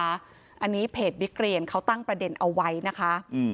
อันนี้เพจบิ๊กเรียนเขาตั้งประเด็นเอาไว้นะคะ